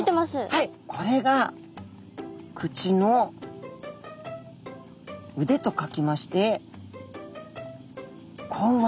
はいこれが口の腕と書きまして口腕。